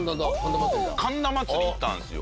神田祭行ったんですよ。